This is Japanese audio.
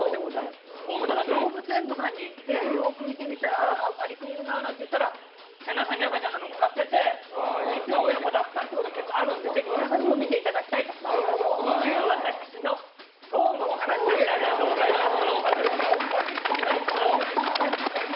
動物園とかに行ってああアリクイいるななんていったら背中に赤ちゃんが乗っかってて実は親子だったということが結構あるんで、皆さんにもぜひ見ていただきたいというのが私の層のお話でした、ありがとうございます。